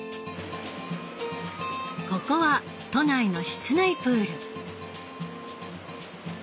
ここは都内の室内プール。